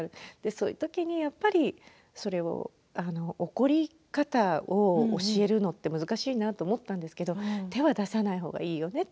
そういうときに、やっぱり怒り方を教えるのって難しいなと思ったんですけれど手は出さないほうがいいよね